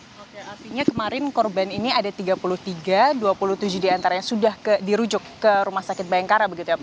artinya kemarin korban ini ada tiga puluh tiga dua puluh tujuh diantaranya sudah dirucuk ke rumah sakit bayangkara